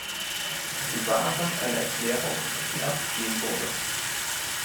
Sie waren eine Erklärung, die abgegeben wurde.